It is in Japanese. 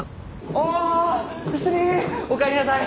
お帰りなさい！